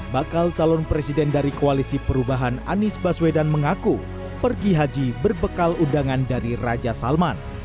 bakal calon presiden dari koalisi perubahan anies baswedan mengaku pergi haji berbekal undangan dari raja salman